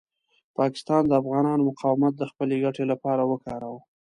پاکستان د افغانانو مقاومت د خپلې ګټې لپاره وکاروه.